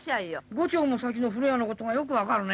５丁も先の風呂屋のことがよく分かるね。